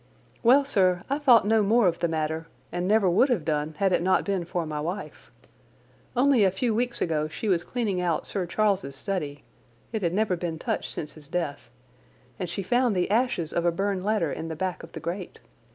"Well, sir, I thought no more of the matter, and never would have done had it not been for my wife. Only a few weeks ago she was cleaning out Sir Charles's study—it had never been touched since his death—and she found the ashes of a burned letter in the back of the grate.